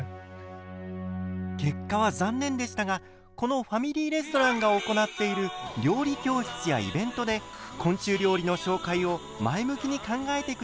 結果は残念でしたがこのファミリーレストランが行っている料理教室やイベントで昆虫料理の紹介を前向きに考えてくれることになりました。